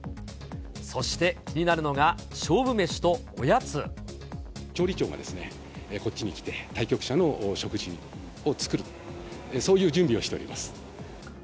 そして気になるのが、勝負メシと調理長がですね、こっちに来て、対局者の食事を作る、そういう準備をしております。